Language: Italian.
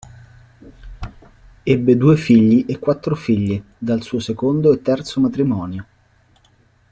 Ebbe due figli e quattro figlie dal suo secondo e terzo matrimonio.